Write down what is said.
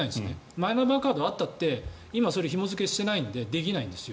マイナンバーカードあったって今はひも付けしてないからできないんです。